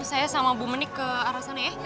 saya sama bu menik ke arah sana ya